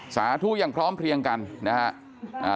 สาธุอย่างพร้อมเพลียงกันนะฮะ